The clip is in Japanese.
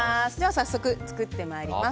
早速、作ってまいります。